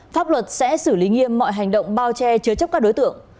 pháp luật sẽ xử lý nghiêm mọi hành động bao che chứa chấp các đối tượng